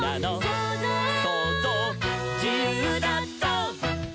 「そうぞう」「そうぞう」「じゆうだぞう！」